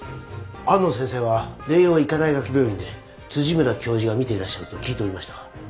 安野先生は麗洋医科大学病院で辻村教授が診ていらっしゃると聞いておりましたが